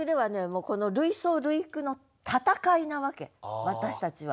もうこの類想類句の戦いなわけ私たちは。